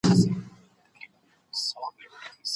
سبا به موږ په خپل باغ کې مېوې راټولې کړو.